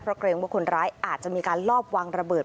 เพราะเกรงว่าคนร้ายอาจจะมีการลอบวางระเบิด